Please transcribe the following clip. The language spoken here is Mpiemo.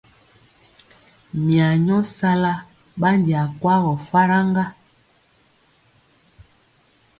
Mya nyɔ sala ɓandi akwagɔ falk ŋga.